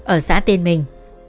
ở xã tên minh